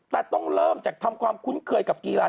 แต่ต้องเริ่มจากทำความคุ้นเคยกับกีฬา